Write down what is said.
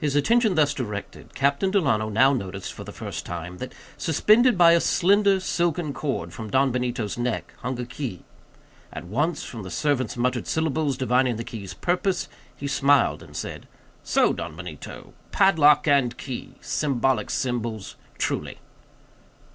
His attention thus directed, Captain Delano now noticed for the first, that, suspended by a slender silken cord, from Don Benito's neck, hung a key. At once, from the servant's muttered syllables, divining the key's purpose, he smiled, and said:—"So, Don Benito—padlock and key—significant symbols, truly."